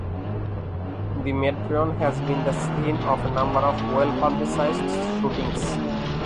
The Metreon has been the scene of a number of well-publicized shootings.